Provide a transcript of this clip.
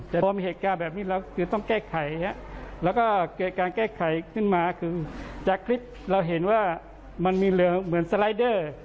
แต่พอมีเหตุการณ์แบบนี้เราคือต้องแก้ไขแล้วก็เกิดการแก้ไขขึ้นมาคือจากคลิปเราเห็นว่ามันมีเหลือเหมือนสไลเดอร์